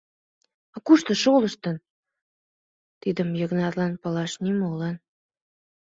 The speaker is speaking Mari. А кушто шолыштын? — тидым Йыгнатлан палаш нимолан.